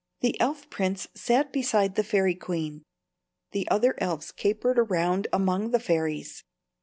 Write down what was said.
The elf prince sat beside the fairy queen. The other elves capered around among the fairies.